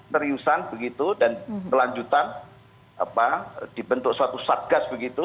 neriusan begitu dan kelanjutan apa dibentuk suatu satgas begitu